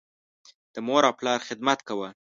د مور او پلار خدمت کوه.